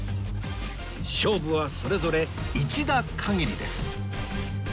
勝負はそれぞれ１打限りです